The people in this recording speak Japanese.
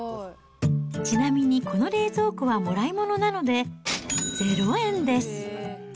ちなみにこの冷蔵庫はもらいものなので、０円です！